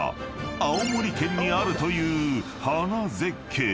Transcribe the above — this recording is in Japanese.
［青森県にあるという花絶景］